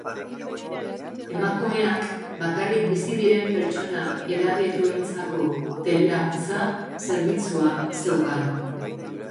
Emakumeak bakarrik bizi diren pertsona edadetuentzako telelaguntza zerbitzua zeukan.